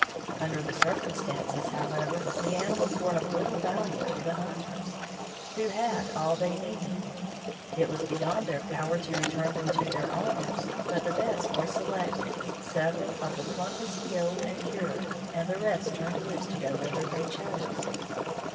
Under the circumstances, however, the animals were of little value to the hunters, who had all they needed. It was beyond their power to return them to their owners, but the best were selected, several of the plumpest killed and cured, and the rest turned loose to go whither they chose.